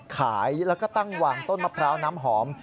ขายแล้วก็ตั้งวางต้นมะพร้าวน้ำหอม